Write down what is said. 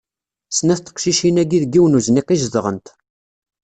Snat n teqcicin-agi deg yiwen n uzniq i zedɣent.